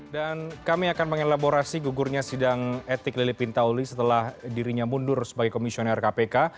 dan kami akan mengelaborasi gugurnya sidang etik lili pintauli setelah dirinya mundur sebagai komisioner kpk